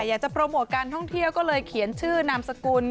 อยากจะโปรโมทการท่องเที่ยวก็เลยเขียนชื่อนามสกุล